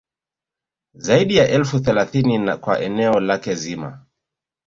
Zaidi ya elfu thelathini kwa eneo lake zima